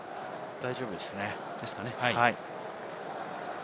大丈夫ですね。